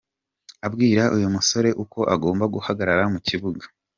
Abwira uyu musore uko agomba guhagarara mu kibuga.